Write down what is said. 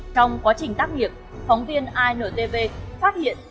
trong quá trình tác nghiệp phóng viên intv phát hiện